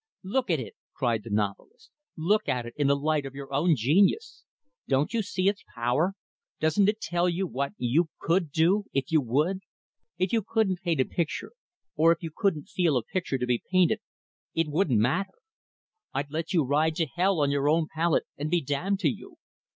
"Look at it!" cried the novelist. "Look at it in the light of your own genius! Don't you see its power? Doesn't it tell you what you could do, if you would? If you couldn't paint a picture, or if you couldn't feel a picture to be painted, it wouldn't matter. I'd let you ride to hell on your own palette, and be damned to you.